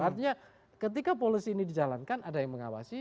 artinya ketika polisi ini dijalankan ada yang mengawasi